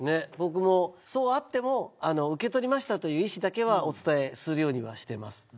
僕もそうやって書いてても受け取りましたという意志だけはお伝えするようにしてます。